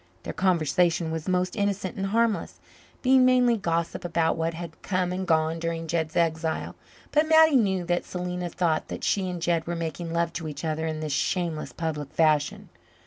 Their conversation was most innocent and harmless, being mainly gossip about what had come and gone during Jed's exile. But Mattie knew that Selena thought that she and Jed were making love to each other in this shameless, public fashion.